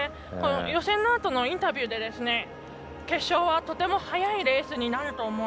予選のあとのインタビューで決勝はとても速いレースになると思う。